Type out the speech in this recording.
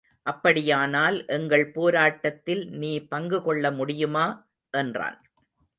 அப்படியானால் எங்கள் போராட்டத்தில் நீ பங்கு கொள்ள முடியுமா? என்றான்.